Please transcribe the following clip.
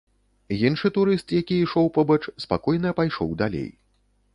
Іншы турыст, які ішоў побач, спакойна пайшоў далей.